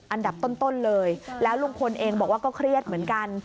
อันดับต้นเลยแล้วลุงพลเองบอกว่าก็เครียดเหมือนกัน